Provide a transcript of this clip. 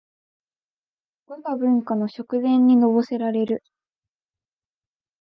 わが文化の食膳にのぼせられる